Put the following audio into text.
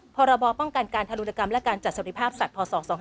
พรบป้องกันการทารุณกรรมและการจัดสวัสดิภาพสัตว์พศ๒๕๖